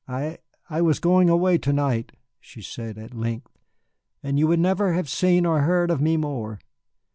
"I I was going away to night," she said at length, "and you would never have seen or heard of me more.